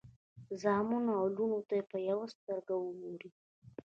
زامنو او لوڼو ته په یوه سترګه وګورئ.